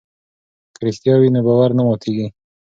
که رښتیا وي نو باور نه ماتیږي.